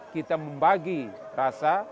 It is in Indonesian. kita membagi rasa